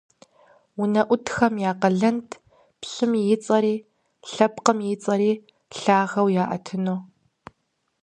УнэӀутхэм я къалэнт пщым и цӀэри, лъэпкъым и цӀэри лъагэу яӀэтыну.